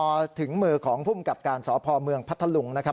เรื่องนี้นะครับพอถึงมือของพุมกับการสอพอเมืองพัทธลุงนะครับ